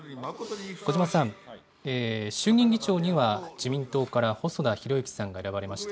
小嶋さん、衆議院議長には自民党から細田博之さんが選ばれました。